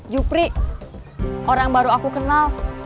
jupri orang yang baru aku kenal